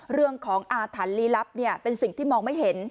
เรื่องของอาถรรพ์ลี้ลับเป็นสิ่งที่มองไม่เห็น